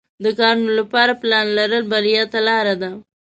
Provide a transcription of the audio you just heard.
د کارونو لپاره پلان لرل بریا ته لار ده.